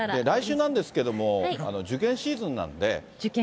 来週なんですけれども、受験シーズンなんで。